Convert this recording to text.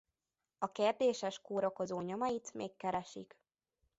A kérdéses kórokozó nyomait még keresik.